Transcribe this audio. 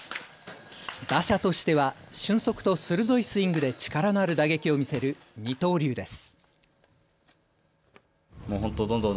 打者としては俊足と鋭いスイングで力のある打撃を見せる二刀流です。